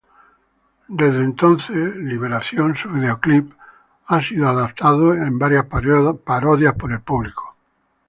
Desde entonces liberación, su videoclip ha sido adaptado en varias parodias por el público.